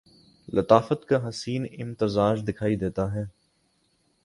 لطافت کا حسین امتزاج دکھائی دیتا ہے